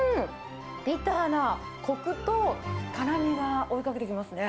ビターなこくと辛みが追いかけてきますね。